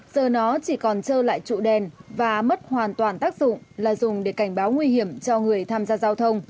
giờ nó chỉ còn trơ lại trụ đèn và mất hoàn toàn tác dụng là dùng để cảnh báo nguy hiểm cho người tham gia giao thông